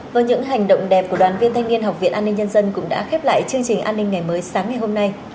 với những hành động đẹp của đoàn viên thanh niên học viện an ninh nhân dân cũng đã khép lại chương trình an ninh ngày mới sáng ngày hôm nay